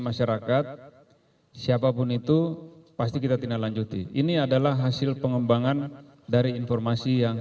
masyarakat siapapun itu pasti kita tindak lanjuti ini adalah hasil pengembangan dari informasi yang